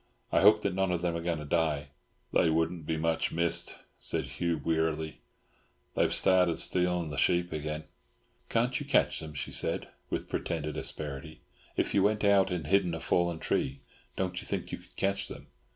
I hope that none of them are going to die." "They wouldn't be much missed," said Hugh wearily. "They have started stealing the sheep again." "Can't you catch them?" she said, with pretended asperity. "If you went out and hid in a fallen tree, don't you think you could catch them?"